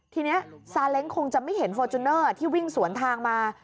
ทีนี้ซาเล้งคงจะไม่เห็นฟอร์จูเนอร์ที่วิ่งสวนทางมา